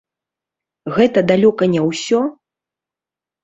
Гэта далёка не ўсё?